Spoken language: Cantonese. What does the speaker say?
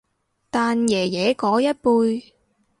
但爺爺嗰一輩